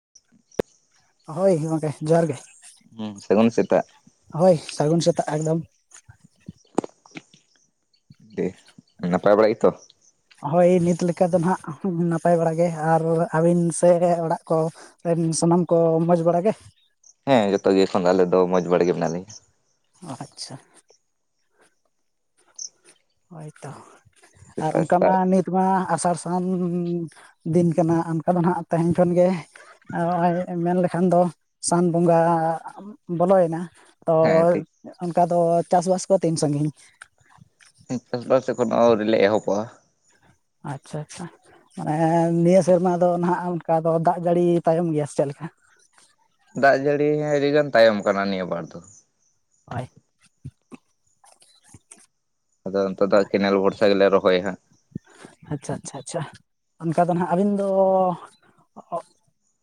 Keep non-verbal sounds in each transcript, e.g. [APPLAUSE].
[UNINTELLIGIBLE] ᱦᱳᱭ ᱜᱚᱢᱠᱮ ᱡᱚᱦᱟᱨ ᱜᱮ ᱦᱸ ᱥᱟᱹᱜᱩᱱ ᱥᱮᱛᱟᱜ ᱦᱳᱭ ᱥᱟᱹᱜᱩᱱ ᱥᱮᱛᱟᱜ ᱮᱠᱫᱚᱢ ᱫᱮ ᱱᱟᱯᱟᱭ ᱵᱟᱲᱟ ᱜᱮᱛᱚ ᱦᱳᱭ ᱱᱤᱛ ᱞᱮᱠᱟ ᱫᱚ ᱱᱦᱟᱜ ᱱᱟᱯᱟᱭ ᱵᱟᱲᱟ ᱜᱮ ᱟᱨ ᱟᱹᱵᱤᱱ ᱥᱮ ᱚᱲᱟᱜ ᱠᱚ ᱨᱮᱱ ᱥᱟᱱᱟᱢ ᱠᱚ ᱢᱚᱸᱡᱽ ᱵᱟᱲᱟ ᱜᱮ ᱦᱮᱸ ᱡᱚᱛᱚ ᱜᱮ ᱮᱠᱷᱚᱱ ᱫᱚ ᱟᱞᱮ ᱫᱚ ᱢᱚᱸᱡᱽ ᱵᱟᱲᱟ ᱜᱮ ᱢᱮᱱᱟᱜ ᱞᱮᱭᱟ ᱟᱪᱪᱷᱟ ᱦᱳᱭ ᱛᱚ ᱟᱨ ᱥᱮᱛᱟᱜ ᱚᱝᱠᱟ ᱢᱟ ᱥᱮᱛᱟᱜ ᱱᱤᱛ ᱢᱟ ᱟᱥᱟᱲ ᱥᱟᱱ ᱫᱤᱱ ᱠᱟᱱᱟ ᱚᱱᱠᱟ ᱫᱚ ᱱᱦᱟᱜ ᱛᱮᱦᱮᱧ ᱠᱷᱚᱱ ᱜᱮ ᱚᱭ ᱢᱮᱱ ᱞᱮᱠᱷᱟᱱ ᱫᱚ ᱥᱟᱱ ᱵᱚᱸᱜᱟ ᱵᱚᱞᱚᱭᱮᱱᱟ ᱛᱚ ᱦᱮᱸ ᱴᱷᱤᱠ ᱚᱱᱠᱟ ᱫᱚ ᱪᱟᱥᱵᱟᱥ ᱠᱚ ᱛᱤᱱ ᱥᱟᱹᱜᱤᱧ ᱪᱟᱥᱵᱟᱥ ᱮᱠᱷᱚᱱ ᱦᱚ ᱟᱹᱣᱨᱤ ᱞᱮ ᱮᱦᱚᱵᱟ ᱟᱪᱪᱷᱟ ᱟᱪᱪᱷᱟ ᱢᱟᱱᱮ ᱱᱤᱭᱟᱹ ᱥᱮᱨᱢᱟ ᱫᱚ ᱱᱟᱦᱟᱜ ᱚᱱᱠᱟ ᱫᱚ ᱫᱟᱜ ᱡᱟᱹᱲᱤ ᱛᱟᱭᱚᱢ ᱜᱮᱭᱟ ᱥᱮ ᱪᱮᱫ ᱞᱮᱠᱟ ᱫᱟᱜ ᱡᱟᱹᱲᱤ ᱟᱹᱰᱤᱜᱟᱱ ᱛᱟᱭᱚᱢ ᱠᱟᱱᱟ ᱱᱤᱭᱟᱹ ᱵᱟᱨ ᱫᱚ ᱦᱳᱭ ᱟᱫᱚ ᱱᱮᱛᱚᱜ ᱫᱚ ᱠᱮᱱᱮᱞ ᱵᱦᱚᱨᱥᱟ ᱜᱮᱞᱮ ᱨᱚᱦᱚᱭᱟ ᱦᱟᱸᱜ ᱟᱪᱪᱷᱟ ᱟᱪᱪᱷᱟ ᱟᱪᱪᱷᱟ ᱚᱱᱠᱟ ᱫᱚ ᱦᱟᱸᱜ ᱟᱹᱵᱤᱱ ᱫᱚ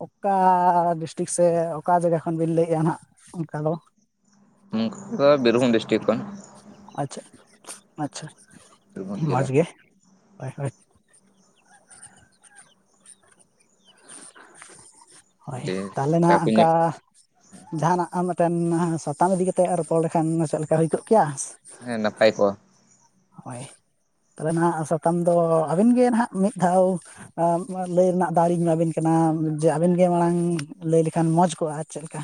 ᱚᱠᱟ ᱰᱤᱥᱴᱤᱠ ᱥᱮ ᱚᱠᱟ ᱡᱟᱜᱟ ᱠᱷᱚᱱ ᱵᱤᱱ ᱞᱟᱹᱭᱮᱜᱼᱟ ᱱᱟᱜ ᱚᱱᱠᱟ ᱫᱚ ᱩᱠᱟ ᱵᱤᱨᱵᱷᱩᱢ ᱰᱤᱥᱴᱤᱠ ᱠᱷᱚᱱ ᱟᱪᱪᱷᱟ ᱟᱪᱪᱷᱟ ᱵᱤᱨᱵᱷᱩᱢ ᱢᱚᱡᱽ ᱡᱮᱞᱟ ᱜᱮ ᱦᱳᱭ ᱦᱳᱭ ᱦᱳᱭ ᱡᱮ ᱛᱟᱦᱚᱞᱮ ᱪᱟ ᱱᱦᱟᱜ ᱠᱚ ᱧᱩ ᱟᱝᱠᱟ ᱡᱟᱦᱟᱱᱟᱜ ᱟᱨ ᱢᱤᱫᱴᱮᱱ ᱥᱟᱛᱟᱢ ᱤᱫᱤ ᱠᱟᱛᱮᱜ ᱨᱚᱯᱚᱲ ᱞᱮᱠᱷᱟᱱ ᱪᱮᱫ ᱞᱮᱠᱟ ᱦᱩᱭ ᱠᱚᱜ ᱠᱮᱭᱟ ᱦᱮᱸ ᱱᱟᱯᱟᱭ ᱠᱚᱜᱼᱟ ᱦᱳᱭ ᱛᱚᱵᱮ ᱱᱟᱦᱜ ᱥᱟᱛᱟᱢ ᱫᱚ ᱟᱹᱵᱤᱱ ᱜᱮ ᱱᱦᱟᱜ ᱢᱤᱫ ᱫᱷᱟᱣ ᱞᱟᱹᱭ ᱨᱮᱱᱟᱜ ᱫᱟᱣᱞᱤᱧ ᱮᱢᱟᱵᱤᱱ ᱠᱟᱱᱟ ᱡᱮ ᱟᱵᱮᱱ ᱜᱮ ᱢᱟᱲᱟᱝ ᱞᱟᱹᱭ ᱞᱮᱠᱷᱟᱱ ᱢᱚᱡᱽ ᱠᱚᱜᱼᱟ ᱟᱨ ᱪᱮᱫᱞᱮᱠᱟ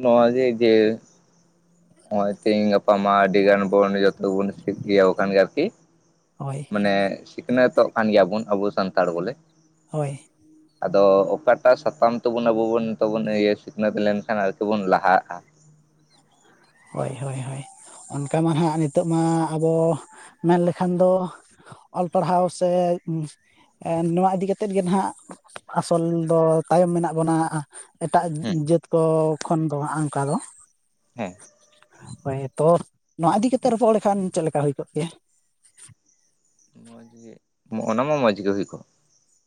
ᱱᱚᱣᱟ ᱡᱮ ᱤᱭᱟᱹ ᱱᱚᱜ ᱚᱭ ᱛᱮᱦᱤᱧ ᱜᱟᱯᱟ ᱢᱟ ᱟᱹᱰᱤ ᱜᱟᱱ ᱵᱚᱱ ᱡᱚᱛᱚ ᱵᱚᱱ ᱥᱤᱠᱷ ᱜᱮᱭᱟᱣ ᱠᱷᱟᱱ ᱜᱮ ᱟᱨᱠᱤ ᱦᱳᱭ ᱢᱟᱱᱮ ᱥᱤᱠᱷᱱᱟᱹᱛᱚᱜ ᱠᱟᱱ ᱜᱮᱭᱟᱵᱚᱱ ᱟᱵᱚ ᱥᱟᱱᱛᱟᱲ ᱵᱚᱞᱮ ᱦᱳᱭ [UNINTELLIGIBLE] ᱟᱫᱚ ᱚᱠᱟᱴᱟᱜ ᱥᱟᱛᱟᱢ ᱛᱮᱵᱚᱱ ᱟᱵᱚ ᱵᱚᱱ ᱥᱤᱠᱷᱱᱟᱹᱛ ᱞᱮᱱᱠᱷᱟᱱ ᱟᱨᱠᱤ ᱵᱚᱱ ᱞᱟᱦᱟᱜᱼᱟ ᱦᱳᱭ ᱦᱳᱭ ᱦᱚᱭ ᱚᱱᱠᱟ ᱢᱟ ᱱᱦᱟᱜ ᱱᱤᱛᱚᱜ ᱢᱟ ᱟᱫᱚ ᱢᱮᱱ ᱞᱮᱠᱷᱟᱱ ᱫᱚ ᱚᱞ ᱯᱟᱲᱦᱟᱣ ᱥᱮ ᱱᱚᱣᱟ ᱤᱫᱤ ᱠᱟᱛᱮᱫ ᱜᱮ ᱱᱦᱟᱜ ᱟᱥᱚᱞ ᱫᱚ ᱛᱟᱭᱚᱢ ᱢᱮᱱᱟᱜ ᱵᱚᱱᱟ ᱮᱴᱟᱜ ᱦᱮᱸ ᱡᱟᱹᱛ ᱠᱚ ᱠᱷᱚᱱ ᱫᱚ ᱦᱟᱜ ᱚᱱᱠᱟ ᱫᱚ ᱦᱮᱸ ᱦᱳᱭ ᱛᱚ ᱱᱚᱣᱟ ᱤᱫᱤ ᱠᱟᱛᱮ ᱨᱚᱯᱚᱲ ᱞᱮᱠᱷᱟᱱ ᱪᱮᱫ ᱞᱮᱠᱟ ᱦᱩᱭ ᱠᱚᱜ ᱠᱮᱭᱟ ᱢᱚᱡᱽ ᱜᱮ ᱚᱱᱟ ᱢᱟ ᱢᱚᱸᱡᱽ ᱜᱮ ᱦᱩᱭ ᱠᱚᱜ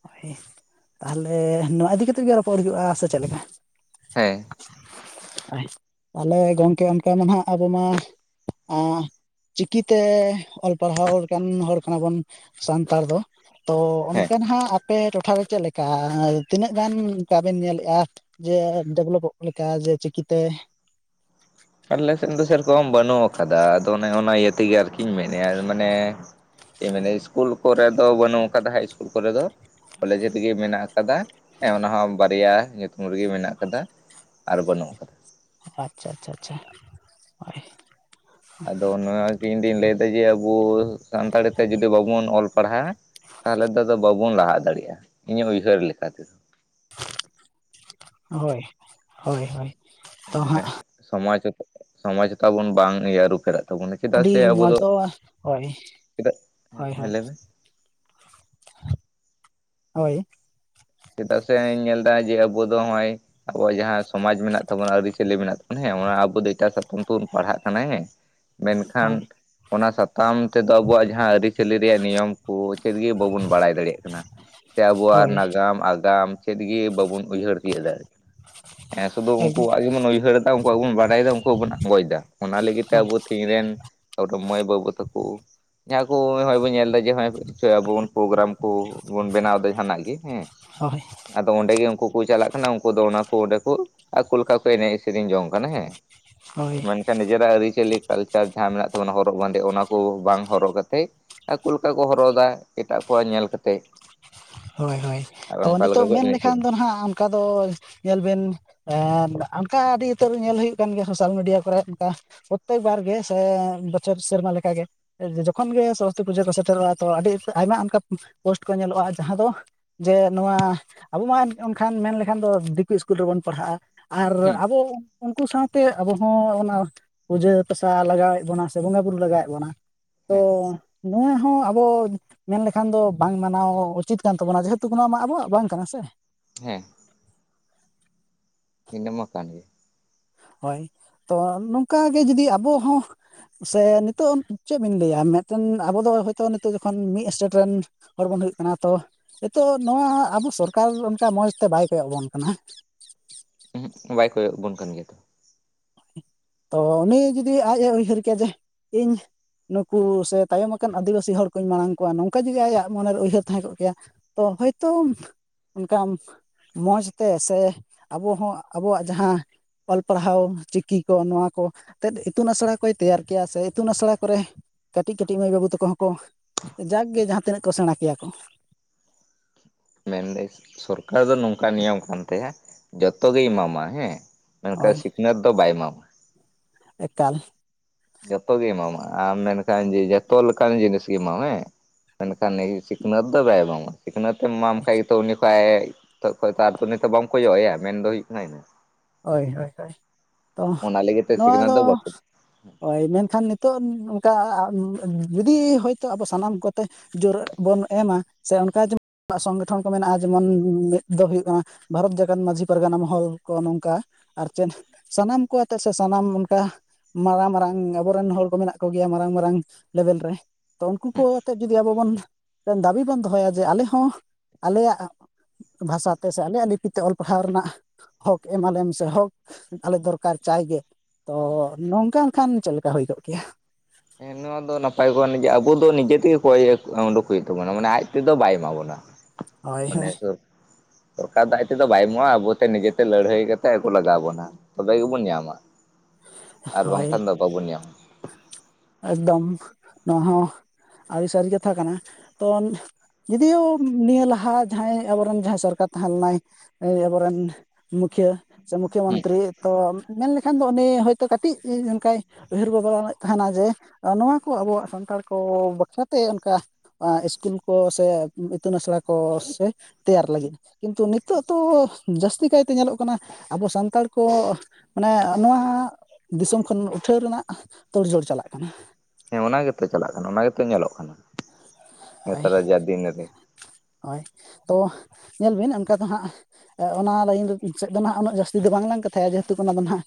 ᱦᱳᱭ ᱛᱟᱦᱞᱮ ᱱᱚᱣᱟ ᱤᱫᱤ ᱠᱟᱛᱮᱫ ᱜᱮ ᱨᱚᱯᱚᱲ ᱦᱩᱭᱩᱜᱼᱟ ᱥᱮ ᱪᱮᱫᱽ ᱞᱮᱠᱟ ᱦᱮᱸ ᱛᱟᱦᱚᱞᱮ ᱜᱚᱝᱠᱮ ᱚᱱᱠᱟ ᱢᱟ ᱱᱟᱦᱜ ᱟᱵᱚᱢᱟ ᱟᱻ ᱪᱤᱠᱤᱛᱮ ᱚᱞ ᱯᱟᱲᱦᱟᱣ ᱞᱮᱠᱟᱱ ᱦᱚᱲ ᱠᱟᱱᱟ ᱵᱚᱱ ᱥᱟᱱᱛᱟᱲ ᱫᱚ ᱛᱚ ᱦᱮᱸ ᱚᱱᱛᱮ ᱱᱟᱦᱟᱜ ᱟᱯᱮ ᱴᱚᱴᱷᱟᱨᱮ ᱪᱮᱫ ᱞᱮᱠᱟ ᱛᱤᱱᱟᱹᱜ ᱜᱟᱱ ᱚᱱᱠᱟ ᱵᱮᱱ ᱧᱮᱞᱮᱜᱼᱟ ᱡᱮ ᱰᱮᱵᱷᱞᱚᱯᱚᱜ ᱞᱮᱠᱟ ᱡᱮ ᱪᱤᱠᱤᱛᱮ ᱟᱞᱮ ᱥᱮᱫ ᱫᱚ ᱥᱮᱨᱚᱠᱚᱢ ᱵᱟᱹᱱᱩᱜ ᱟᱠᱟᱫᱟ ᱟᱫᱚ ᱚᱱᱮ ᱚᱱᱟ ᱤᱭᱟᱹ ᱛᱮᱜᱮ ᱟᱨᱠᱤᱧ ᱢᱮᱱᱮᱫᱼᱟ ᱢᱟᱱᱮ ᱢᱟᱱᱮ ᱤᱥᱠᱩᱞ ᱠᱚᱨᱮ ᱫᱚ ᱵᱟᱹᱱᱩᱜ ᱟᱠᱟᱫᱟ ᱦᱟᱭ ᱤᱥᱠᱩᱞ ᱠᱚᱨᱮ ᱫᱚ ᱠᱚᱞᱮᱡᱽ ᱨᱮᱜᱮ ᱢᱮᱱᱟᱜ ᱟᱠᱟᱫᱟ ᱚᱱᱟᱦᱚ ᱵᱟᱨᱭᱟ ᱧᱩᱛᱩᱢ ᱨᱮᱜᱮ ᱢᱮᱱᱟᱜ ᱟᱠᱟᱫᱟ ᱟᱨ ᱵᱟᱹᱱᱩᱜ ᱟᱠᱟᱫᱟ ᱟᱪᱪᱷᱟ ᱟᱪᱪᱷᱟ ᱟᱪᱪᱷᱟ ᱦᱳᱭ ᱟᱫᱚ ᱱᱚᱣᱟᱜᱮ ᱤᱧᱫᱩᱧ ᱞᱟᱹᱭᱫᱟ ᱡᱮ ᱟᱵᱚ ᱥᱟᱱᱛᱟᱲᱤ ᱛᱮ ᱡᱚᱫᱤ ᱵᱟᱵᱚᱱ ᱚᱞ ᱯᱟᱲᱦᱟᱜᱼᱟ ᱛᱟᱦᱚᱞᱮ ᱫᱚ ᱟᱫᱚ ᱵᱟᱵᱚᱱ ᱞᱟᱦᱟ ᱫᱟᱲᱤ-ᱟ ᱤᱧᱟᱹᱜ ᱩᱭᱦᱟᱹᱨ ᱞᱮᱠᱟ ᱛᱮᱫᱚ ᱦᱳᱭ ᱦᱳᱭ ᱦᱳᱭ ᱛᱚ ᱢᱟᱱᱮ ᱦᱟᱸᱜ ᱥᱚᱢᱟᱡ ᱥᱚᱢᱟᱡᱚ ᱛᱟᱵᱚᱱ ᱵᱟᱝ ᱤᱭᱟᱹ ᱨᱩᱯᱷᱜ ᱫᱟᱱᱮᱭᱟᱜ ᱠᱟᱱᱟ ᱛᱵᱮ ᱱᱚᱠᱩᱫᱟᱜ ᱥᱮ ᱟᱹᱰᱤ ᱟᱵᱚ ᱢᱚᱡᱽ ᱫᱚ ᱦᱳᱭ ᱪᱮᱫᱟᱜ ᱦᱳᱭ ᱦᱮᱸ ᱦᱳᱭ ᱞᱟᱹᱭ ᱢᱮ ᱦᱳᱭ ᱪᱮᱫᱟᱜ ᱥᱮᱧ ᱧᱮᱞ ᱮᱫᱟ ᱡᱮ ᱟᱵᱚ ᱫᱚ ᱱᱚᱜᱼᱚᱭ ᱟᱵᱚᱣᱟᱜ ᱡᱟᱦᱟᱸ ᱥᱚᱢᱟᱡ ᱢᱮᱱᱟᱜ ᱛᱟᱵᱚᱱᱟ ᱟᱹᱨᱤᱪᱟᱞᱤ ᱢᱮᱱᱟᱜ ᱛᱟᱵᱱᱟ ᱦᱮᱸ ᱚᱱᱟ ᱟᱵᱚ ᱫᱚ ᱮᱴᱟ ᱥᱮ ᱛᱮᱵᱚᱱ ᱯᱟᱲᱦᱟᱜ ᱠᱟᱱᱟ ᱦᱮᱸ ᱢᱮᱱ ᱠᱷᱟᱱ ᱦᱳᱭ ᱚᱱᱟ ᱥᱟᱛᱟᱢ ᱛᱮᱫᱚ ᱟᱵᱩᱣᱟᱜ ᱡᱟᱦᱟᱸ ᱟᱹᱨᱤᱪᱟᱹᱞᱤ ᱨᱮᱭᱟᱜ ᱱᱤᱭᱚᱢ ᱠᱚ ᱪᱮᱫᱜᱤ ᱵᱟᱵᱩᱱ ᱵᱟᱲᱟᱭ ᱫᱟᱲᱮᱭᱟᱜ ᱠᱟᱱᱟ ᱥᱮ ᱟᱵᱚᱣᱟᱜ ᱦᱳᱭ ᱱᱟᱜᱟᱢ ᱟᱜᱟᱢ ᱪᱮᱫᱜᱮ ᱵᱟᱵᱚᱱ ᱩᱭᱦᱟᱹᱨ ᱛᱤᱭᱩᱜ ᱫᱟᱲᱮᱭᱟᱜ ᱠᱟᱱᱟ ᱦᱮᱸ ᱥᱩᱫᱩ ᱩᱱᱠᱩᱣᱟᱜ ᱜᱮᱵᱚᱱ ᱩᱭᱦᱟᱹᱨᱮᱫᱟ ᱩᱱᱠᱩᱣᱟᱜ ᱵᱚᱱ ᱵᱟᱰᱟᱭ ᱫᱟ ᱩᱱᱠᱩᱣᱟᱜ ᱵᱚᱱ ᱟᱸᱜᱚᱡ ᱮᱫᱟ ᱚᱱᱟ ᱞᱟᱹᱜᱤᱫ ᱛᱮ ᱟᱵᱚ ᱤᱧ ᱨᱮᱱ ᱢᱟᱹᱭ ᱵᱟᱹᱵᱩ ᱛᱟᱠᱚ ᱡᱟᱦᱟ ᱠᱚ ᱜᱮᱭ ᱵᱚᱱ ᱧᱮᱞ ᱮᱫᱟ ᱡᱮ ᱟᱵᱚ ᱵᱚᱱ ᱯᱨᱳᱜᱨᱟᱢ ᱠᱚᱵᱚᱱ ᱵᱮᱱᱟᱣ ᱮᱫᱟ ᱡᱟᱦᱱᱟᱜ ᱜᱮᱤ ᱦᱮᱸ ᱥᱚᱦᱮ ᱟᱫᱚ ᱚᱱᱰᱮ ᱜᱮᱤ ᱩᱱᱠᱩ ᱠᱚ ᱪᱟᱞᱟᱜ ᱠᱟᱱᱟ ᱩᱱᱠᱩ ᱫᱚ ᱚᱱᱟ ᱠᱚ ᱚᱸᱰᱮᱠᱩ ᱟᱠᱚ ᱞᱮᱠᱟ ᱠᱚ ᱮᱱᱮᱡ ᱥᱮᱨᱮᱧ ᱡᱚᱝ ᱠᱟᱱᱟ ᱦᱮᱸ ᱦᱳᱭ ᱢᱮᱱᱠᱷᱟᱱ ᱱᱤᱡᱮᱨᱟᱜ ᱟᱹᱨᱤᱪᱟᱞᱤ ᱠᱟᱞᱪᱟᱨ ᱡᱟᱦᱟᱸ ᱢᱮᱱᱟᱜ ᱛᱟᱵᱚᱱᱟ ᱦᱚᱨᱚᱜ ᱵᱟᱸᱫᱮ ᱚᱱᱟ ᱠᱚ ᱵᱟᱝ ᱦᱚᱨᱚᱜ ᱠᱟᱛᱮᱜ ᱟᱠᱚ ᱞᱮᱠᱟ ᱠᱚ ᱦᱚᱨᱚᱜ ᱮᱟ ᱮᱴᱟᱜ ᱠᱚᱣᱟᱜ ᱧᱮᱞ ᱠᱟᱛᱮᱫ ᱦᱳᱭ ᱦᱳᱭ ᱟᱨ ᱛᱚ ᱚᱱᱠᱟ ᱞᱮᱠᱟ ᱱᱤᱛᱚᱜ ᱠᱚ ᱢᱮᱱ ᱮᱱᱮᱡ ᱞᱮᱠᱷᱟᱱ ᱥᱮᱨᱮᱧ ᱫᱚ ᱦᱟᱸᱜ ᱚᱱᱠᱟ ᱫᱚ ᱧᱮᱞ ᱵᱮᱱ ᱚᱱᱠᱟ ᱟᱹᱰᱤ ᱩᱛᱟᱹᱨ ᱧᱮᱞ ᱦᱩᱭᱩᱜ ᱠᱟᱱ ᱜᱮᱭᱟ ᱥᱳᱥᱟᱞ ᱢᱤᱰᱤᱭᱟ ᱠᱚᱨᱮᱜ ᱚᱱᱠᱟ ᱯᱨᱚᱠᱛᱮᱠ ᱵᱟᱨ ᱜᱮ ᱥᱮ ᱵᱚᱪᱷᱚᱨ ᱥᱮᱨᱢᱟ ᱞᱮᱠᱟᱜ ᱜᱮ ᱡᱚᱠᱷᱚᱱ ᱜᱮ ᱥᱚᱨᱚᱥᱚᱛᱤ ᱯᱩᱡᱟᱹ ᱠᱚ ᱥᱮᱴᱮᱨᱚᱜᱼᱟ ᱛᱚ ᱟᱹᱰᱤ ᱟᱭᱢᱟ ᱚᱱᱠᱟ ᱯᱳᱥᱴ ᱠᱚ ᱧᱮᱞᱚᱜᱼᱟ ᱡᱟᱦᱟᱸ ᱫᱚ ᱡᱮ ᱱᱚᱣᱟ ᱟᱵᱚ ᱢᱟ ᱚᱱᱠᱷᱟᱱ ᱢᱮᱱ ᱞᱮᱠᱷᱟᱱ ᱫᱚ ᱫᱤᱠᱩ ᱤᱥᱠᱩᱞ ᱨᱮᱵᱚᱱ ᱯᱟᱲᱦᱟᱜᱼᱟ ᱟᱨ ᱦᱮᱸ ᱟᱵᱚ ᱩᱱᱠᱩ ᱥᱟᱶ ᱛᱮ ᱟᱵᱚᱦᱚᱸ ᱚᱱᱟ ᱯᱩᱡᱟᱹ ᱯᱟᱥᱟ ᱞᱟᱜᱟᱣᱮᱫ ᱵᱚᱱᱟ ᱥᱮ ᱵᱚᱸᱜᱟᱼ ᱵᱩᱨᱩ ᱞᱟᱜᱟᱣᱮᱫ ᱵᱚᱱᱟ ᱛᱚ ᱦᱮᱸ ᱱᱚᱣᱟ ᱦᱚᱸ ᱟᱵᱚ ᱢᱮᱱᱞᱮᱠᱷᱟᱱ ᱫᱚ ᱵᱟᱝ ᱢᱟᱱᱟᱣ ᱩᱪᱤᱫ ᱠᱟᱱ ᱛᱟᱵᱚᱱᱟ ᱡᱮᱦᱮᱛᱩ ᱚᱱᱟ ᱢᱟ ᱟᱵᱚᱣᱟᱜ ᱵᱟᱝ ᱠᱟᱱᱟ ᱥᱮ ᱦᱮᱸ ᱤᱱᱟ ᱢᱟ ᱠᱟᱱ ᱜᱮ ᱦᱳᱭ ᱛᱚ ᱱᱚᱝᱠᱟᱜ ᱜᱮ ᱡᱩᱫᱤ ᱟᱵᱚ ᱦᱚᱸ ᱥᱮ ᱱᱤᱛᱚᱜ ᱪᱮᱫ ᱵᱤᱱ ᱞᱟᱹᱭᱟ ᱢᱤᱫᱴᱮᱱ ᱟᱵᱚ ᱫᱚ ᱦᱳᱭᱛᱳ ᱱᱤᱛᱚᱜ ᱡᱚᱠᱷᱚᱱ ᱢᱤᱫ ᱥᱴᱮᱴ ᱨᱮᱱ ᱦᱚᱲ ᱵᱚᱱ ᱦᱩᱭᱩᱜ ᱠᱟᱱᱟ ᱛᱚ ᱱᱤᱛᱚᱜ ᱱᱚᱣᱟ ᱟᱵᱚ ᱥᱚᱨᱠᱟᱨ ᱚᱱᱠᱟ ᱢᱚᱡᱽ ᱛᱮ ᱵᱟᱭ ᱠᱚᱭᱚᱜ ᱵᱚᱱ ᱠᱟᱱᱟ ᱩᱦᱜ ᱵᱟᱭ ᱠᱚᱭᱚᱜ ᱵᱚᱱ ᱠᱟᱱ ᱜᱮᱭᱟ ᱛᱚ ᱛᱚ ᱩᱱᱤ ᱡᱩᱫᱤ ᱟᱡᱼ ᱮ ᱩᱭᱦᱟᱹᱨ ᱠᱮᱫᱮᱭᱟ ᱡᱮ ᱤᱧ ᱱᱩᱠᱩ ᱥᱮ ᱛᱟᱭᱚᱢ ᱟᱠᱟᱱ ᱟᱹᱫᱤᱵᱟᱹᱥᱤ ᱦᱚᱲ ᱠᱚᱧ ᱢᱟᱲᱟᱝ ᱠᱚᱣᱟ ᱱᱚᱝᱠᱟ ᱡᱩᱫᱤ ᱟᱭᱟᱜ ᱢᱚᱱᱮᱨᱮ ᱩᱭᱦᱟᱹᱨ ᱛᱟᱦᱮᱸ ᱠᱚᱜ ᱠᱮᱭᱟ ᱛᱚ ᱦᱳᱭᱛᱳ ᱚᱱᱠᱟᱱ ᱢᱚᱡᱽ ᱛᱮ ᱥᱮ ᱟᱵᱚ ᱦᱚᱸ ᱟᱵᱚᱣᱟᱜ ᱡᱟᱦᱟᱸ ᱚᱞ ᱯᱟᱲᱦᱟᱣ ᱪᱤᱠᱤ ᱠᱚ ᱱᱚᱣᱟ ᱠᱚ ᱮᱛᱮᱫ ᱤᱛᱩᱱ ᱟᱥᱲᱟ ᱠᱚᱭ ᱛᱮᱭᱟᱨ ᱠᱮᱭᱟ ᱥᱮ ᱤᱛᱩᱱ ᱟᱥᱲᱟ ᱠᱚᱨᱮ ᱠᱟᱹᱴᱤᱡ ᱠᱟᱹᱴᱤᱡ ᱢᱟᱹᱭ ᱵᱟᱹᱵᱩ ᱛᱟᱠᱚ ᱦᱚᱸ ᱠᱚ ᱡᱟᱠ ᱜᱮ ᱡᱟᱦᱟᱸ ᱛᱤᱱᱟᱹᱜ ᱠᱚ ᱥᱮᱬᱟ ᱠᱮᱭᱟ ᱠᱚ ᱢᱮᱱᱫᱟᱹᱧ ᱥᱚᱨᱠᱟᱨ ᱫᱚ ᱱᱚᱝᱠᱟ ᱱᱤᱭᱚᱢ ᱠᱟᱱ ᱛᱟᱭᱟ ᱡᱚᱛᱚᱜᱤ ᱮᱢᱟᱢᱟ ᱦᱮᱸ ᱢᱮᱱᱠᱷᱟᱱ ᱦᱳᱭ ᱥᱤᱠᱷᱱᱟᱹᱛ ᱫᱚ ᱵᱟᱭ ᱮᱢᱟᱢᱟ ᱮᱠᱟᱞ ᱡᱚᱛᱚᱜ ᱜᱮ ᱮᱢᱟᱢᱟ ᱟᱢ ᱢᱮᱱᱠᱷᱟᱱ ᱡᱮ ᱡᱚᱛᱚ ᱞᱮᱠᱟᱱ ᱡᱤᱱᱤᱥ ᱜᱮ ᱮᱢᱟᱢᱟ ᱦᱮᱸ ᱢᱮᱱᱠᱷᱟᱱ ᱥᱤᱠᱷᱱᱟᱹᱛ ᱫᱚ ᱵᱟᱭ ᱮᱢᱟᱢᱟ ᱥᱤᱠᱷᱱᱟᱹ ᱮ ᱮᱢᱟᱢ ᱠᱷᱟᱱ ᱜᱮᱛᱚ ᱩᱱᱤ ᱠᱷᱳᱡ ᱱᱤᱛᱚᱜ ᱠᱷᱚᱡᱛᱚ ᱟᱨ ᱱᱤᱛᱚᱜ ᱵᱟᱢ ᱠᱚᱭᱚᱜᱼᱟᱭᱟ ᱢᱮᱱᱫᱚ ᱦᱩᱭᱩᱜ ᱠᱟᱱᱟ ᱤᱱᱟᱹ ᱦᱳᱭ ᱦᱳᱭ ᱦᱳᱭ ᱛᱚ ᱚᱱᱟ ᱞᱟᱹᱜᱤᱫ ᱛᱮ ᱱᱚᱣᱟ ᱥᱤᱠᱷᱱᱟᱹᱛ ᱫᱚ ᱵᱟᱠᱚ ᱦᱳᱭ ᱢᱮᱱᱠᱷᱟᱱ ᱱᱤᱛᱚᱜ ᱝᱠᱟ ᱡᱩᱫᱤ ᱦᱚᱳᱭᱛᱳ ᱟᱵᱚ ᱥᱟᱱᱟᱢ ᱠᱚᱛᱮ ᱡᱳᱨ ᱵᱚᱱ ᱮᱢᱟ ᱥᱮ ᱚᱱᱠᱟ ᱡᱮᱢᱚᱱ ᱥᱚᱝᱜᱚᱴᱷᱚᱱ ᱠᱚ ᱢᱮᱱᱟᱜᱼᱟ ᱡᱮᱢᱚᱱ ᱢᱤᱫ ᱫᱚ ᱦᱩᱭᱩᱜ ᱠᱟᱱᱟ ᱵᱷᱟᱨᱚᱛ ᱡᱟᱠᱟᱛ ᱢᱟᱺᱡᱷᱤ ᱯᱟᱨᱜᱟᱱᱟ ᱢᱚᱦᱚᱞ ᱠᱚ ᱱᱚᱝ ᱚᱱᱠᱟ ᱟᱨ ᱪᱮᱫ ᱥᱟᱱᱟᱢ ᱠᱚ ᱟᱛᱮᱮᱫ ᱥᱮ ᱥᱟᱱᱟᱢ ᱚᱱᱠᱟ ᱢᱟᱨᱟᱝ ᱢᱟᱨᱟᱝ ᱟᱵᱚᱨᱮᱱ ᱦᱚᱲ ᱠᱚ ᱢᱮᱱᱟᱜ ᱠᱚᱜᱮᱭᱟ ᱢᱟᱨᱟᱝ ᱢᱟᱨᱟᱝ ᱞᱮᱵᱮᱞ ᱨᱮ ᱛᱚ ᱩᱱᱠᱩ ᱠᱚ ᱟᱛᱮᱫ ᱡᱩᱫᱤ ᱟᱵᱚ ᱵᱚᱱ ᱫᱟᱹᱵᱤ ᱵᱚᱱ ᱫᱚᱦᱚᱭᱟ ᱡᱮ ᱟᱞᱮ ᱦᱚᱸ ᱟᱞᱮᱭᱟᱜ ᱵᱷᱟᱥᱟᱛᱮ ᱥᱮ ᱟᱞᱮᱭᱟᱜ ᱞᱤᱯᱤᱛᱮ ᱚᱞ ᱯᱟᱲᱦᱟᱣ ᱨᱮᱱᱟᱜ ᱮᱢᱟᱞᱮᱭᱟᱢ ᱥᱮ ᱦᱳᱠ ᱟᱞᱮ ᱫᱚᱨᱠᱟᱨ ᱪᱟᱭ ᱜᱮ ᱛᱚ ᱱᱚᱝᱠᱟᱱ ᱠᱷᱟᱱ ᱪᱮᱫ ᱞᱮᱠᱟ ᱦᱩᱭ ᱠᱚᱜ ᱠᱮᱭᱟ ᱦᱮᱸ ᱱᱚᱣᱟ ᱫᱚ ᱱᱟᱯᱟᱭ ᱠᱟᱱ ᱜᱮᱭᱟ ᱟᱵᱚ ᱫᱚ ᱱᱤᱡᱮᱛᱮᱜᱮ ᱠᱚᱭ ᱩᱰᱩᱠ ᱦᱩᱭᱩᱜ ᱛᱟᱵᱚᱱᱟ ᱢᱟᱱᱮ ᱟᱡ ᱛᱮᱫᱚ ᱵᱟᱭ ᱮᱢᱟ ᱵᱚᱱᱟ [UNINTELLIGIBLE] ᱦᱳᱭ ᱢᱟᱱᱮ ᱦᱳᱭ ᱥᱩᱨ ᱥᱚᱨᱠᱟᱨ ᱫᱚ ᱟᱡ ᱛᱮᱫᱚ ᱵᱟᱭ ᱮᱢᱚᱜᱼᱟ ᱟᱵᱚᱛᱮ ᱱᱤᱡᱮᱛᱮ ᱞᱟᱹᱲᱦᱟᱹᱭ ᱠᱟᱛᱮ ᱟᱹᱜᱩ ᱞᱟᱜᱟᱣ ᱟᱵᱚᱱᱟ ᱛᱚᱵᱮ ᱜᱮᱵᱚᱱ ᱧᱟᱢᱟ ᱟᱨ ᱦᱳᱭ ᱵᱟᱝᱠᱷᱟᱱ ᱫᱚ ᱵᱟᱵᱚᱱ ᱧᱟᱢᱟ ᱮᱠᱫᱚᱢ ᱱᱚᱶᱟ ᱦᱚᱸ ᱟᱹᱰᱤ ᱥᱟᱹᱨᱤ ᱠᱟᱛᱷᱟ ᱠᱟᱱᱟ ᱛᱚ ᱡᱩᱫᱤᱭᱳ ᱱᱤᱭᱟᱹ ᱞᱟᱦᱟ ᱡᱟᱦᱟᱸᱭ ᱟᱵᱚᱨᱮᱱ ᱡᱟᱦᱟᱸᱭ ᱥᱚᱨᱠᱟᱨ ᱛᱟᱦᱮᱸ ᱞᱮᱱᱟᱭ ᱟᱵᱚᱨᱮᱱ ᱢᱩᱠᱷᱤᱭᱟᱹ ᱥᱮ ᱢᱩᱠᱷᱚ ᱦᱮᱸ ᱢᱚᱱᱛᱨᱤ ᱛᱚ ᱢᱮᱱᱞᱮᱠᱷᱟᱱ ᱫᱚ ᱩᱱᱤ ᱦᱚᱭᱛᱳ ᱠᱟᱹᱴᱤᱡ ᱚᱱᱠᱟᱭ ᱩᱭᱦᱟᱹᱨ ᱵᱷᱟᱵᱱᱟᱮᱫ ᱛᱟᱦᱮᱱᱟ ᱡᱮ ᱟᱨ ᱱᱚᱣᱟ ᱠᱚ ᱟᱵᱚᱣᱟᱜ ᱥᱟᱱᱛᱟᱲ ᱠᱚ ᱵᱟᱠᱷᱨᱟᱛᱮ ᱚᱱᱠᱟ ᱟ... ᱤᱥᱠᱩᱞ ᱠᱚ ᱥᱮ ᱤᱛᱩᱱ ᱟᱥᱲᱟ ᱠᱚ ᱥᱮ ᱛᱮᱭᱟᱨ ᱞᱟᱹᱜᱤᱫ ᱠᱤᱱᱛᱩ ᱱᱤᱛᱚᱜ ᱫᱚ ᱡᱟᱹᱥᱛᱤ ᱠᱟᱭᱛᱮ ᱧᱮᱞᱚᱜ ᱠᱟᱱᱟ ᱟᱵᱚ ᱥᱟᱱᱛᱟᱲ ᱠᱚ ᱢᱟᱱᱮ ᱱᱚᱣᱟ ᱫᱤᱥᱚᱢ ᱠᱷᱚᱱ ᱩᱴᱷᱟᱹᱣ ᱨᱮᱱᱟᱜ ᱛᱚᱲᱡᱚᱲ ᱪᱟᱞᱟᱜ ᱠᱟᱱᱟ ᱦᱮᱸ ᱚᱱᱟ ᱜᱮ ᱛᱚ ᱪᱟᱞᱟᱜ ᱠᱟᱱᱟ ᱚᱱᱟ ᱜᱮ ᱛᱚ ᱧᱮᱞᱚᱜ ᱠᱟᱱᱟ ᱦᱳᱭ ᱱᱮᱛᱟᱨᱟᱜ ᱡᱟ ᱫᱤᱱ ᱨᱮ ᱦᱳᱭ ᱛᱚ ᱧᱮᱞ ᱵᱤᱱ ᱚᱱᱠᱟ ᱫᱚ ᱦᱟᱸᱜ ᱚᱱᱟ ᱞᱟᱭᱤᱱ ᱥᱮᱫ ᱫᱚ ᱩᱱᱜᱟᱹᱜ ᱡᱟᱹᱥᱛᱤ ᱫᱚ ᱵᱟᱝᱞᱟᱝ ᱠᱟᱛᱷᱟᱭᱟ ᱡᱮᱦᱮᱛᱩ ᱚᱱᱟ ᱫᱚ ᱦᱟᱸᱜ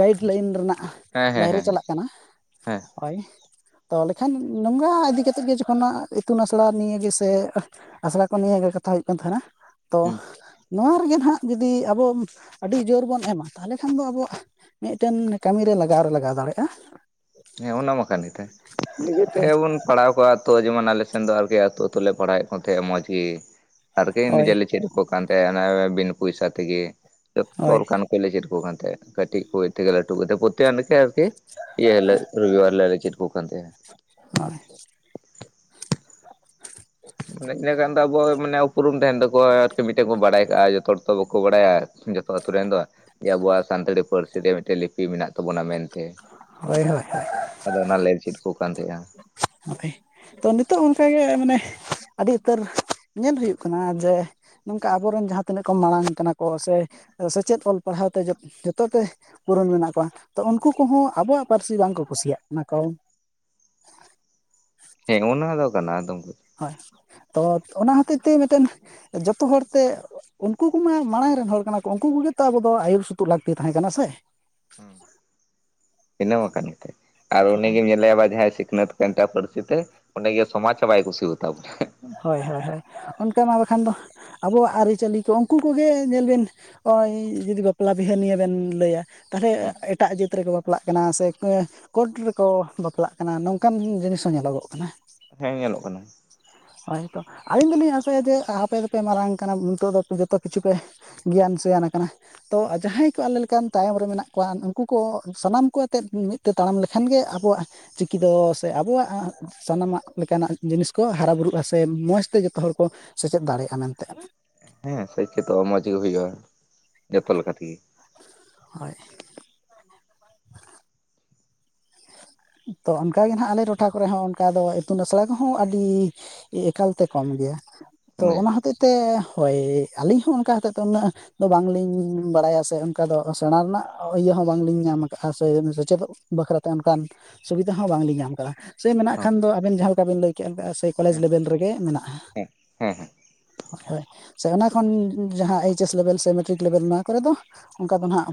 ᱜᱟᱭᱤᱰ ᱞᱟᱭᱤᱱ ᱨᱮᱱᱟᱜ ᱦᱮᱸ ᱦᱮᱸ ᱵᱟᱭᱨᱮ ᱦᱮᱸ ᱪᱟᱞᱟᱜ ᱠᱟᱱᱟ ᱦᱮᱸ ᱦᱳᱭ ᱛᱟᱦᱚᱞᱮ ᱠᱷᱟᱱ ᱱᱚᱝᱠᱟ ᱤᱫᱤ ᱠᱟᱛᱮᱫ ᱜᱮ ᱡᱚᱠᱷᱚᱱ ᱱᱟᱦᱟᱸᱜ ᱤᱛᱩᱱ ᱟᱥᱲᱟ ᱱᱤᱭᱟ ᱜᱮᱥᱮ ᱟᱥᱲᱟ ᱠᱚ ᱱᱤᱭᱟᱜᱮ ᱠᱟᱛᱷᱟ ᱦᱩᱭᱩᱜ ᱠᱟᱱ ᱛᱟᱦᱮᱱᱟ ᱛᱚ ᱦᱮᱸ ᱱᱚᱣᱟ ᱨᱮᱜᱮ ᱱᱟᱦᱟᱜ ᱡᱩᱫᱤ ᱟᱵᱚ ᱟᱹᱰᱤ ᱡᱳᱨ ᱵᱚᱱ ᱮᱢᱟ ᱛᱟᱦᱚᱞᱮ ᱠᱷᱟᱱ ᱫᱚ ᱟᱵᱚᱣᱟᱜ ᱢᱤᱫᱴᱮᱱ ᱠᱟᱹᱢᱤ ᱨᱮ ᱞᱟᱜᱟᱣ ᱨᱮ ᱞᱟᱜᱟᱣ ᱫᱟᱲᱮᱭᱟᱜᱼᱟ ᱦᱮᱸ ᱚᱱᱟ ᱢᱟ ᱠᱟᱱ ᱜᱮ ᱛᱟᱦᱮᱸ ᱱᱤᱡᱮ ᱛᱮ ᱦᱳᱭ ᱵᱚᱱ ᱯᱟᱲᱦᱟᱣ ᱠᱳᱣᱟ ᱛᱚ ᱡᱮᱢᱚᱱ ᱟᱞᱮ ᱥᱮᱱᱫᱚ ᱟᱨᱠᱤ ᱟᱹᱛᱚ ᱟᱹᱛᱩ ᱞᱮ ᱯᱟᱲᱦᱟᱣᱮᱫ ᱠᱚ ᱛᱟᱦᱮᱸᱜ ᱢᱚᱸᱡᱽ ᱜᱮ ᱟᱨᱠᱤ ᱦᱳᱭ ᱱᱤᱡᱮᱨ ᱞᱮ ᱪᱮᱫ ᱠᱚ ᱠᱟᱱ ᱛᱟᱦᱮᱸᱱᱟ ᱵᱤᱱ ᱯᱚᱭᱥᱟ ᱛᱮᱜᱮ ᱡᱚᱛᱚ ᱦᱳᱭ ᱞᱮᱠᱟᱱ ᱠᱚ ᱞᱮ ᱪᱮᱫ ᱟᱠᱚ ᱠᱟᱱ ᱛᱟᱦᱮᱸᱭᱟ ᱠᱟᱹᱴᱤᱡ ᱠᱚ ᱮᱛᱮ ᱜᱮ ᱞᱟᱴᱩ ᱠᱟᱛᱮᱫ [UNINTELLIGIBLE] ᱤᱭᱟᱹᱞᱮ ᱨᱩᱣᱤᱵᱟᱨ ᱞᱮ ᱟᱞᱮ ᱪᱮᱫ ᱟᱠᱚ ᱠᱟᱱ ᱛᱮᱦᱮᱸᱱ [UNINTELLIGIBLE] ᱦᱳᱭ [UNINTELLIGIBLE] ᱢᱟᱱᱮ ᱤᱱᱟᱹ ᱠᱷᱟᱱ ᱫᱚ ᱟᱵᱚ ᱢᱟᱱᱮ ᱩᱯᱨᱩᱢ ᱛᱟᱦᱮᱱ ᱛᱟᱠᱚᱣᱟ ᱟᱨᱠᱤ ᱢᱤᱫᱴᱮᱱ ᱠᱚ ᱵᱟᱲᱟᱭ ᱠᱟᱜᱼᱟ ᱡᱚᱛᱚ ᱦᱚᱲ ᱛᱚ ᱵᱟᱠᱚ ᱵᱟᱲᱟᱭᱟ ᱡᱚᱛᱚ ᱟ‌ᱛᱩ ᱨᱮᱱ ᱫᱚ ᱵᱟᱝ ᱟᱵᱚᱣᱟᱜ ᱥᱟᱱᱛᱟᱲᱤ ᱯᱟᱹᱨᱥᱤ ᱨᱮ ᱢᱤᱫᱴᱮᱱ ᱞᱤᱯᱤ ᱢᱮᱱᱟᱜ ᱛᱟᱵᱚᱱᱟ ᱢᱮᱱᱛᱮ ᱦᱳᱭ ᱦᱳᱭ [UNINTELLIGIBLE] ᱟᱫᱚ ᱚᱱᱟᱞ ᱞᱮ ᱪᱤᱫ ᱠᱚ ᱠᱟᱱ ᱛᱟᱦᱮᱸᱜᱼᱟ ᱦᱳᱭ ᱛᱚ ᱱᱤᱛᱚᱜ ᱚᱱᱠᱟᱜᱮ ᱢᱟᱱᱮ ᱟᱹᱰᱤ ᱩᱛᱟᱹᱨ ᱧᱮᱞ ᱦᱩᱭᱩᱜ ᱠᱟᱱᱟ ᱡᱮ ᱱᱚᱝᱠᱟ ᱟᱵᱚᱨᱮᱱ ᱡᱟᱦᱟᱸ ᱛᱤᱱᱟᱹᱜ ᱠᱚ ᱢᱟᱲᱟᱝ ᱟᱠᱟᱱᱟ ᱠᱚ ᱥᱮ ᱥᱮᱪᱮᱫ ᱚᱞ ᱯᱟᱲᱦᱟᱣ ᱛᱮ ᱡᱷᱚᱛᱚ ᱛᱮ ᱯᱩᱨᱚᱱ ᱢᱮᱱᱟᱜ ᱠᱚᱣᱟ ᱛᱚ ᱩᱱᱠᱩ ᱠᱚᱦᱚᱸ ᱟᱵᱚᱣᱟᱜ ᱯᱟᱹᱨᱥᱤ ᱵᱟᱝᱠᱚ ᱠᱩᱥᱤᱭᱟᱜ ᱠᱟᱱᱟ ᱠᱚ ᱦᱮᱸ ᱚᱱᱟ ᱫᱚ ᱠᱟᱱᱟ ᱟᱫᱚᱢ ᱠᱚ ᱦᱳᱭ ᱛᱚ ᱚᱱᱟ ᱦᱚᱛᱮᱡ ᱛᱮ ᱢᱤᱫᱴᱮᱱ ᱡᱚᱛᱚ ᱦᱚᱲ ᱛᱮ ᱩᱱᱠᱩ ᱠᱚᱢᱟ ᱢᱟᱲᱟᱝ ᱨᱮᱱ ᱦᱚᱲ ᱠᱟᱱᱟ ᱠᱚ ᱩᱱᱠᱩ ᱠᱚᱜᱮ ᱛᱚ ᱟᱵᱚ ᱫᱚ ᱟᱹᱭᱩᱨ ᱥᱩᱛᱩᱜ ᱞᱟᱹᱠᱛᱤ ᱛᱟᱦᱮᱸ ᱠᱟᱱᱟ ᱥᱮ? ᱦᱸ ᱤᱱᱟᱹ ᱢᱟ ᱠᱟᱱ ᱜᱮ ᱟᱨ ᱩᱱᱤ ᱜᱮᱢ ᱧᱮᱞᱮᱭᱟ ᱵᱟ ᱡᱟᱦᱟᱸᱭ ᱥᱤᱠᱷᱱᱟᱹᱛ ᱮᱱᱛᱟ ᱯᱟᱹᱨᱥᱤ ᱛᱮ ᱚᱸᱰᱮ ᱜᱮ ᱥᱚᱢᱟᱡᱽ ᱦᱚᱸ ᱵᱟᱭ ᱠᱩᱥᱤᱣᱟᱛᱟ ᱵᱚᱱᱟ ᱦᱳᱭ ᱦᱳᱭ ᱦᱳᱭ ᱚᱱᱠᱟ ᱢᱟ ᱵᱟᱠᱷᱟᱱ ᱫᱚ ᱟᱵᱚᱣᱟᱜ ᱟᱹᱨᱤᱪᱟᱹᱞᱤ ᱠᱚ ᱩᱱᱠᱩ ᱠᱚᱜᱮ ᱧᱮᱞᱵᱤᱱ ᱱᱚᱜᱼᱚᱭ ᱡᱩᱫᱤ ᱵᱟᱯᱞᱟ ᱵᱤᱦᱟᱹ ᱱᱤᱭᱮ ᱵᱮᱱ ᱞᱟᱹᱭᱟ ᱛᱟᱦᱚᱞᱮ ᱮᱴᱟᱜ ᱡᱟᱹᱛ ᱨᱮᱠᱚ ᱵᱟᱯ ᱵᱟᱯᱞᱟᱜ ᱠᱟᱱᱟ ᱥᱮ ᱠᱚᱴ ᱨᱮᱠᱚ ᱵᱟᱯᱞᱟᱜ ᱠᱟᱱᱟ ᱱᱚᱝᱠᱟᱱ ᱡᱤᱱᱤᱥ ᱦᱚᱸ ᱧᱮᱞᱚᱜᱚᱜ ᱠᱟᱱᱟ ᱦᱮᱸ ᱧᱮᱞᱚᱜ ᱠᱟᱱᱟ [UNINTELLIGIBLE] ᱦᱳᱭᱛᱚ ᱟᱹᱞᱤᱧ ᱫᱚᱞᱤᱧ ᱟᱥᱟᱭᱟ ᱡᱮ ᱟᱯᱮ ᱫᱚᱯᱮ ᱢᱟᱨᱟᱝ ᱟᱠᱟᱱᱟ ᱱᱤᱛᱚᱜ ᱫᱚ ᱡᱚᱛᱚ ᱠᱤᱪᱷᱩ ᱯᱮ ᱜᱮᱭᱟᱱ ᱥᱚᱭᱟᱱ ᱟᱠᱟᱱᱟ ᱛᱚ ᱡᱟᱦᱟᱸᱭ ᱠᱚ ᱟᱞᱮ ᱞᱮᱠᱟᱱ ᱛᱟᱭᱚᱢ ᱨᱮ ᱢᱮᱱᱟᱜ ᱠᱚᱣᱟ, ᱩᱱᱩᱠᱩ ᱠᱚ ᱥᱟᱱᱟᱢ ᱠᱚ ᱟᱛᱮᱫ ᱢᱤᱫ ᱛᱮ ᱛᱟᱲᱟᱢ ᱞᱮᱠᱷᱟᱱ ᱜᱮ ᱟᱵᱚᱣᱟᱜ ᱪᱤᱠᱤ ᱫᱚ ᱥᱮ ᱟᱵᱚᱣᱟᱜ ᱥᱟᱱᱟᱢᱟᱜ ᱞᱮᱠᱟᱱᱟᱜ ᱡᱤᱱᱤᱥ ᱠᱚ ᱦᱟᱨᱟ ᱵᱩᱨᱩᱜᱼᱟ ᱥᱮ ᱢᱚᱡᱽ ᱛᱮ ᱡᱚᱛᱚ ᱦᱚᱲ ᱠᱚ ᱥᱮᱪᱮᱫ ᱫᱟᱲᱮᱭᱟᱜᱼᱟ ᱢᱮᱱᱛᱮ ᱾ ᱦᱮᱸ ᱥᱮᱪᱮᱛ ᱚᱜᱼᱟ ᱢᱚᱸᱡᱽ ᱜᱮ ᱦᱩᱭᱩᱜᱼᱟ ᱾ ᱡᱚᱛᱚ ᱞᱮᱠᱟ ᱛᱮᱜᱤ ᱾ ᱦᱳᱭ [UNINTELLIGIBLE] ᱛᱚ ᱚᱱᱠᱟᱜ ᱜᱮ ᱦᱜ ᱟᱞᱮ ᱴᱚᱴᱷᱟ ᱠᱚᱨᱮ ᱦᱚᱸ ᱚᱱᱠᱟ ᱫᱚ ᱤᱛᱩᱱ ᱟᱥᱲᱟ ᱠᱚᱦᱚᱸ ᱟᱹᱰᱤ ᱮᱠᱟᱞᱛᱮ ᱠᱚᱢ ᱜᱮᱭᱟ ᱾ ᱛᱚ ᱚᱱᱟ ᱵᱩᱡᱷᱟᱹᱣ ᱦᱚᱛᱮᱡ ᱛᱮ ᱦᱳᱭ ᱟᱹᱞᱤᱧ ᱦᱚᱸ ᱚᱱᱠᱟ ᱦᱚᱛᱮᱡ ᱛᱮ ᱩᱱᱟᱹᱜ ᱫᱚ ᱵᱟᱝᱞᱤᱧ ᱵᱟᱲᱟᱭᱟ ᱥᱮ, ᱚᱱᱠᱟ ᱫᱚ ᱥᱮᱬᱟ ᱨᱮᱱᱟᱜ ᱤᱭᱟᱹ ᱦᱚᱸ ᱵᱟᱝᱞᱤᱧ ᱧᱟᱢ ᱠᱟᱜᱼᱟ ᱥᱮ, ᱥᱮᱪᱮᱫᱚᱜ ᱵᱟᱠᱷᱨᱟᱛᱮ ᱚᱱᱠᱟᱱ ᱥᱩᱵᱤᱫᱟ ᱦᱚᱸ ᱵᱟᱝᱞᱤᱧ ᱧᱟᱢ ᱟᱠᱟᱫᱟ ᱾ ᱥᱮ ᱢᱮᱱᱟᱜ ᱠᱷᱟᱱ ᱫᱚ ᱟᱵᱮᱱ ᱡᱟᱦᱟᱸ ᱞᱮᱠᱟ ᱵᱤᱱ ᱞᱟᱹᱭ ᱠᱮᱫ ᱥᱮ ᱠᱚᱞᱮᱡᱽ ᱦᱮᱸ ᱞᱮᱵᱮᱞ ᱨᱮᱜᱮ ᱢᱮᱱᱟᱜᱼᱟ ᱾ ᱦᱮᱸ ᱦᱮᱸ ᱦᱳᱭ, ᱥᱮ ᱚᱱᱟ ᱠᱷᱚᱱ ᱡᱟᱦᱟᱸ ᱟᱭᱤᱪᱟᱥ ᱞᱮᱵᱮᱞ ᱥᱮ ᱢᱮᱴᱨᱤᱠ ᱞᱮᱵᱮᱞ ᱱᱚᱣᱟ ᱠᱚᱨᱮ ᱫᱚ ᱚᱱᱠᱟ ᱫᱚ ᱱᱟᱦᱜ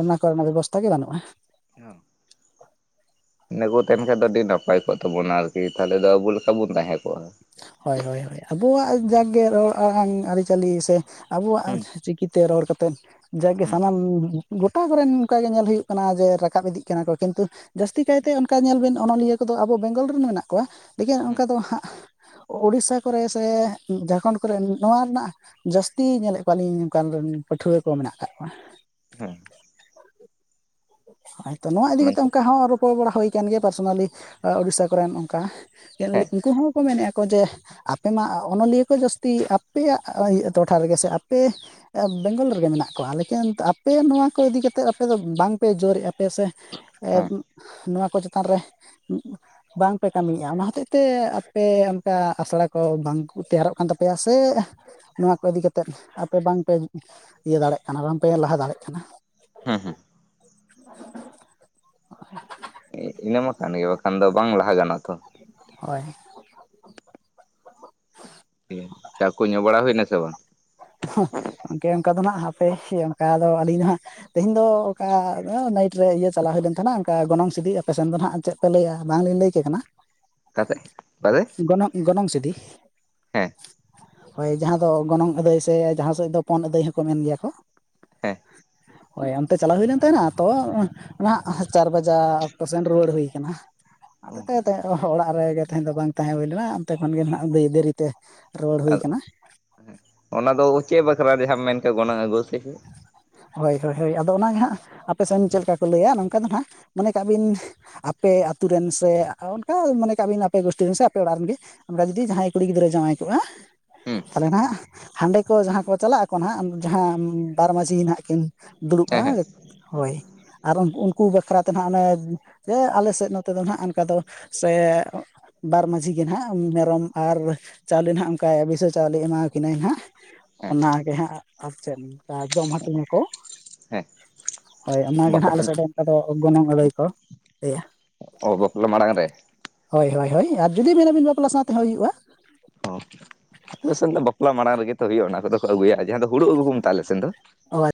ᱚᱱᱟ ᱠᱚᱨᱮᱱᱟᱜ ᱵᱮᱵᱚᱥᱛᱷᱟ ᱜᱮ ᱵᱟᱹᱱᱩᱜᱼᱟ ᱾ [UNINTELLIGIBLE] ᱤᱱᱟᱹ ᱠᱚ ᱛᱟᱦᱮᱱ ᱠᱷᱟᱡ ᱫᱚ ᱟᱹᱰᱤ ᱱᱟᱯᱟᱭ ᱠᱚᱜ ᱛᱟᱵᱚᱱᱟ, ᱟᱨᱠᱤ ᱛᱟᱦᱚᱞᱮ ᱫᱚ ᱟᱵᱚ ᱞᱮᱠᱟ ᱵᱚᱱ ᱛᱟᱦᱮᱸ ᱠᱚᱜᱼᱟ ᱾ ᱦᱳᱭ ᱦᱳᱭ ᱦᱳᱭ, ᱟᱵᱚᱣᱟᱜ ᱡᱟᱜ ᱜᱮ ᱨᱚᱲ ᱟᱲᱟᱝ ᱟᱹᱨᱤᱪᱟᱹᱞᱤ ᱥᱮ ᱟᱵᱚᱣᱟᱜ ᱦᱩᱸ ᱪᱤᱠᱤ ᱛᱮ ᱨᱚᱦᱚᱲ ᱠᱟᱛᱮᱫ ᱡᱟᱜᱮ ᱦᱩᱸ ᱥᱟᱱᱟᱢ ᱜᱚᱴᱟ ᱠᱚᱨᱮᱱ ᱚᱱᱠᱟᱜᱮ ᱧᱮᱞ ᱦᱩᱭᱩᱜ ᱠᱟᱱᱟ, ᱡᱮ ᱨᱟᱠᱟᱵ ᱤᱫᱤᱜ ᱠᱟᱱᱟ ᱠᱚ, ᱠᱤᱱᱛᱩ ᱡᱟᱹᱥᱛᱤ ᱠᱟᱭᱛᱮ ᱚᱱᱠᱟ ᱧᱮᱞ ᱵᱮᱱ ᱚᱱᱚᱞᱤᱭᱟᱹ ᱠᱚᱫᱚ ᱟᱵᱚ ᱵᱮᱝᱜᱚᱞ ᱨᱮᱱ ᱢᱮᱱᱟᱜ ᱠᱚᱣᱟ ᱾ ᱞᱮᱠᱤᱱ ᱦᱩᱸ ᱚᱱᱠᱟ ᱫᱚ ᱦᱟᱸᱜ ᱩᱲᱤᱥᱟ ᱠᱚᱨᱮ ᱥᱮ, ᱡᱷᱟᱲᱠᱷᱚᱸᱰ ᱠᱚᱨᱮ ᱱᱚᱣᱟ ᱨᱮᱱᱟᱜ ᱡᱟᱹᱥᱛᱤ ᱧᱮᱞᱮᱫ ᱠᱚᱣᱟᱞᱤᱧ ᱱᱚᱝᱠᱟᱱ ᱚᱱᱠᱟᱱ ᱯᱟᱹᱴᱷᱩᱣᱟᱹ ᱠᱚ ᱢᱮᱱᱟᱜ ᱟᱠᱟᱫ ᱠᱚᱣᱟ ᱾ ᱦᱮᱸ ᱦᱳᱭᱛᱚ ᱱᱚᱣᱟ ᱤᱫᱤ ᱠᱟ ᱠᱟᱛᱮᱮᱫ ᱢᱮᱱᱠᱷᱟᱱ ᱚᱱᱠᱟ ᱦᱚᱸ ᱨᱚᱯᱚᱲ ᱵᱟᱲᱟ ᱦᱩᱭ ᱟᱠᱟᱱ ᱜᱮᱭᱟ ᱯᱟᱨᱥᱳᱱᱟᱞᱤ ᱩᱲᱤᱥᱟ ᱠᱚᱨᱮᱱ ᱚᱱᱠᱟ ᱾ ᱦᱮᱸ ᱩᱱᱠᱩ ᱦᱚᱸᱠᱚ ᱢᱮᱱᱮᱫᱼᱟ ᱠᱚ ᱡᱮ, ᱟᱯᱮ ᱢᱟ ᱚᱱᱚᱞᱤᱭᱟᱹ ᱠᱚ ᱡᱟᱹᱥᱛᱤ ᱟᱯᱮᱭᱟᱜ ᱴᱚᱴᱷᱟ ᱨᱮᱜᱮ ᱥᱮ, ᱟᱯᱮ ᱵᱮᱝᱜᱚᱞ ᱨᱮᱜᱮ ᱢᱮᱱᱟᱜ ᱠᱚᱣᱟ, ᱞᱮᱠᱤᱱ ᱟᱯᱮ ᱱᱚᱣᱟ ᱠᱚ ᱤᱫᱤ ᱠᱟᱛᱮᱫ ᱟᱯᱮ ᱫᱚ ᱵᱟᱝ ᱯᱮ ᱡᱳᱨᱮᱫᱼᱟ ᱯᱮ ᱥᱮ ᱦᱮᱸ ᱱᱚᱣᱟ ᱠᱚ ᱪᱮᱛᱟᱱ ᱨᱮ, ᱵᱟᱝᱯᱮ ᱠᱟᱹᱢᱤᱭᱮᱫᱼᱟ, ᱚᱱᱟ ᱦᱚᱛᱮᱡ ᱛᱮ ᱟᱯᱮ ᱚᱱᱠᱟ ᱟᱥᱲᱟ ᱠᱚ ᱵᱟᱝ ᱛᱮᱭᱟᱨᱚᱜ ᱠᱟᱱ ᱛᱟᱯᱮᱭᱟ ᱥᱮ, ᱱᱚᱣᱟ ᱠᱚ ᱤᱫᱤ ᱠᱟᱛᱮᱫ ᱟᱯᱮ ᱵᱟᱝᱯᱮ ᱤᱭᱟᱹ ᱫᱟᱲᱮᱜ ᱠᱟᱱᱟ, ᱵᱟᱝᱯᱮ ᱞᱟᱦᱟ ᱫᱟᱲᱮᱜ ᱠᱟᱱᱟ ᱾ ᱦᱮᱸ [INAUDIBLE] ᱤᱱᱟᱹᱢᱟ ᱟᱠᱟᱱ ᱜᱮ ᱵᱟᱠᱷᱟᱱ ᱫᱚ ᱵᱟᱝ ᱞᱟᱦᱟ ᱜᱟᱱᱚᱜᱼᱟ ᱛᱷᱚ ᱾ ᱦᱳᱭ ᱴᱷᱤᱠ ᱪᱟ ᱠᱚ ᱧᱩᱚᱜ ᱵᱟᱲᱟ ᱦᱩᱭᱱᱟ ᱥᱮ ᱵᱟᱝ? ᱜᱚᱝᱠᱮ ᱚᱱᱠᱮ ᱚᱱᱠᱟ ᱫᱚ ᱦᱱᱟᱜ ᱦᱟᱯᱮ ᱚᱱᱠᱟ ᱫᱚ ᱟᱹᱞᱤᱜ ᱫᱚ ᱦᱟᱜ ᱛᱮᱦᱤᱧ ᱫᱚ ᱚᱠᱟ ᱱᱟᱭᱤᱴ ᱨᱮ ᱤᱭᱟᱹ ᱪᱟᱞᱟᱣ ᱦᱩᱭ ᱞᱮᱱ ᱛᱟᱦᱮᱱᱟ, ᱚᱱᱠᱟ ᱜᱚᱱᱚᱝ ᱥᱤᱫᱤ, ᱟᱯᱮᱥᱮᱱ ᱫᱚ ᱦᱟᱸᱜ ᱪᱮᱫ ᱵᱟᱯᱮ ᱞᱟᱹᱭᱟ, ᱵᱟᱝ ᱞᱮ ᱞᱟᱹᱭ ᱠᱮ ᱠᱟᱱᱟ ᱾ ᱟᱠᱟᱛᱮ ᱚᱠᱟᱛᱮ ᱜᱚᱱᱚᱜ ᱜᱚᱱᱚᱢ ᱥᱤᱫᱤ ᱦᱮᱸ ᱦᱳᱭ ᱡᱟᱦᱟᱸ ᱫᱚ ᱜᱚᱱᱚᱝ ᱟᱹᱫᱟᱹᱭ ᱥᱮ ᱡᱟᱦᱟᱸ ᱥᱮᱫ ᱫᱚ ᱯᱚᱱ ᱟᱹᱫᱟᱹᱭ ᱦᱚᱸᱠᱚ ᱢᱮᱱ ᱜᱮᱭᱟ ᱠᱚ ᱾ ᱦᱮᱸ ᱦᱳᱭ ᱟᱱᱛᱮ ᱪᱟᱞᱟᱣ ᱦᱩᱭ ᱞᱮᱱ ᱛᱟᱦᱮᱸᱱᱟ ᱛᱚ, ᱱᱟᱦᱟᱜ ᱪᱟᱨ ᱵᱟᱡᱟᱜ ᱚᱠᱛᱮ ᱥᱮᱱ ᱨᱩᱣᱟᱹᱲ ᱦᱩᱭᱩ ᱠᱟᱱᱟ ᱾ ᱟᱫᱚ ᱚᱲᱟᱜ ᱨᱮᱜᱮ ᱛᱟᱦᱮᱸ ᱫᱚ ᱵᱟᱝ ᱛᱟᱦᱮᱸ ᱦᱩᱭ ᱞᱮᱱᱟ, ᱚᱱᱛᱮ ᱠᱷᱚᱱ ᱜᱮ ᱱᱟᱦᱱᱟᱜ ᱫᱮᱨᱤ ᱛᱮ ᱨᱩᱣᱟᱹᱲ ᱦᱩᱭ ᱟᱫᱚ ᱟᱠᱟᱱᱟ ᱾ ᱚᱱᱟ ᱫᱚ ᱪᱮᱫ ᱵᱟᱠᱷᱨᱟ ᱡᱟᱦᱟᱸᱢ ᱢᱮᱱ ᱜᱚᱱᱚᱝ ᱟᱹᱜᱩ ᱥᱮ ᱪᱮᱫ? ᱦᱳᱭ ᱦᱳᱭ ᱦᱳᱭ, ᱟᱫᱚ ᱚᱱᱟᱜᱮ ᱦᱟᱸᱟᱜ ᱟᱯᱮ ᱥᱮᱫ ᱪᱮᱞᱮᱠᱟ ᱠᱚ ᱞᱟᱹᱭᱟ, ᱱᱚᱝᱠᱟ ᱫᱚ ᱱᱟᱦᱟᱜ ᱢᱚᱱᱮ ᱠᱟᱜ ᱵᱤᱱ ᱟᱯᱮ ᱟᱛᱩ ᱨᱮᱱ ᱥᱮ, ᱚᱱᱠᱟ ᱢᱚᱱᱮ ᱠᱟᱜ ᱵᱮᱱ, ᱟᱯᱮ ᱵᱟᱥᱴᱤ ᱨᱮᱱ ᱥᱮ ᱟᱯᱮ ᱚᱲᱟᱜ ᱨᱮᱱ ᱜᱮ ᱾ ᱚᱱᱠᱟ ᱡᱩᱫᱤ ᱡᱟᱦᱟᱸᱭ ᱠᱩᱲᱤ ᱜᱤᱫᱽᱨᱟᱹ ᱡᱟᱶᱟᱭ ᱠᱚᱜᱼᱟ ᱦᱩᱸ ᱾ ᱛᱟᱦᱚᱞᱮ ᱱᱟᱦᱟᱜ ᱦᱟᱸᱰᱮ ᱠᱚ ᱡᱟᱦᱟᱸ ᱠᱚ ᱪᱟᱞᱟᱜ ᱟᱠᱚ ᱱᱟᱦᱟᱜ ᱡᱟᱦᱟᱸ ᱵᱟᱨ ᱢᱟᱹᱡᱷᱤ ᱱᱟᱦᱟᱜ ᱠᱤᱱ ᱫᱩᱲᱩᱵᱼᱟ ᱦᱮᱸ ᱦᱮᱸ ᱦᱳᱭ, ᱟᱨ ᱩᱱᱠᱩ ᱵᱟᱠᱷᱨᱟ ᱛᱮ ᱦᱟᱜ ᱚᱱᱮ ᱡᱮ ᱟᱞᱮ ᱥᱮᱫ ᱱᱚᱛᱮ ᱫᱚ ᱦᱟᱜ ᱚᱱᱠᱟ ᱫᱚ ᱥᱮ ᱵᱟᱨ ᱢᱟᱺᱡᱷᱤ ᱜᱮ ᱦᱟᱜ ᱢᱮᱨᱚᱢ ᱟᱨ ᱪᱟᱣᱞᱮ ᱱᱟᱜ ᱚᱱᱠᱟ ᱵᱤᱥᱟᱹ ᱪᱟᱣᱞᱮ ᱮᱢᱟ ᱠᱤᱱᱟᱭ ᱦᱟᱜ ᱾ ᱦᱮᱸ ᱚᱱᱟᱜᱮ ᱦᱟᱸᱜ ᱟᱨ ᱪᱮᱫ ᱡᱚᱢ ᱦᱟᱹᱴᱤᱧᱟ ᱠᱚ ᱾ ᱦᱮᱸ ᱦᱳᱭ ᱚᱱᱟᱜᱮ ᱵᱟᱯᱞᱟ ᱱᱟᱦᱟᱜ ᱟᱞᱮ ᱥᱮᱫ ᱚᱱᱠᱟ ᱫᱚ ᱜᱚᱱᱚᱝ ᱟᱹᱫᱟᱹᱭ ᱠᱚ ᱞᱟᱹᱭᱟ ᱚ ᱵᱟᱯᱞᱟ ᱢᱟᱲᱟᱝ ᱨᱮ ᱦᱳᱭ ᱦᱳᱭ ᱦᱳᱭ ᱟᱨ ᱡᱩᱫᱤ ᱢᱮᱱᱟᱵᱤᱱ ᱵᱟᱯᱞᱟ ᱥᱟᱶᱛᱮ ᱦᱚᱸ ᱦᱩᱭᱩᱜᱼᱟ ᱚ ᱟᱞᱮ ᱥᱮᱱ ᱫᱚ ᱵᱟᱯᱞᱟ ᱢᱟᱲᱟᱝ ᱨᱮᱜᱮ ᱛᱚ ᱦᱩᱭᱩᱜᱼᱟ ᱚᱱᱟ ᱠᱚᱫᱚ ᱠᱚ ᱟᱹᱜᱩᱭᱟ ᱡᱟᱦᱟᱸ ᱫᱚ ᱦᱩᱲᱩ ᱟᱹᱜᱩ ᱠᱚ ᱢᱮᱛᱟᱜ ᱟᱞᱮ ᱥᱮᱱ ᱫᱚ ᱚ